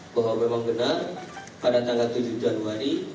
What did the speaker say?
bahwa memang benar pada tanggal tujuh januari